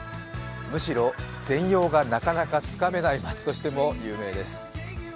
むしろ全容がなかなかつかめない街としても有名です。